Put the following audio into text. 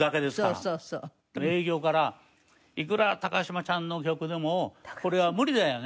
営業から「いくら嶋ちゃんの曲でもこれは無理だよね」